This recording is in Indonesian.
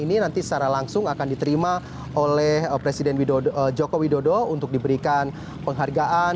ini nanti secara langsung akan diterima oleh presiden joko widodo untuk diberikan penghargaan